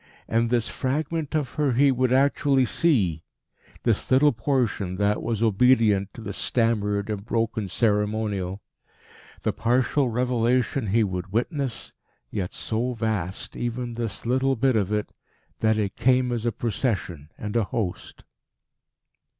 And this fragment of her he would actually see this little portion that was obedient to the stammered and broken ceremonial. The partial revelation he would witness yet so vast, even this little bit of it, that it came as a Procession and a host.